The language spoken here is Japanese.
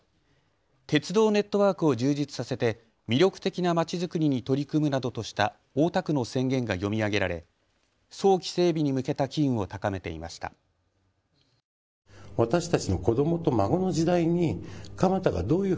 鉄道ネットワークを充実させて魅力的なまちづくりに取り組むなどとした大田区の宣言が読み上げられ早期整備に向けた機運を高めていました。